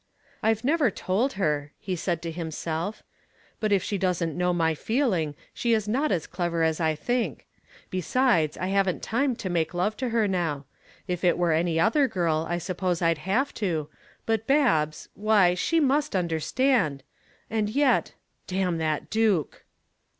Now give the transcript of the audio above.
"I've never told her," he said to himself, "but if she doesn't know my feeling she is not as clever as I think. Besides, I haven't time to make love to her now. If it were any other girl I suppose I'd have to, but Babs, why, she must understand. And yet damn that Duke!"